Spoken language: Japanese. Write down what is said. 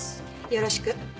よろしく。